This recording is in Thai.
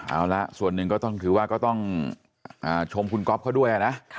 เอาละส่วนหนึ่งก็ต้องชมคุณก๊อฟเขาด้วยนะ